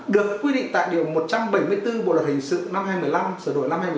được quy định tại điều một trăm bảy mươi bốn bộ luật hình sự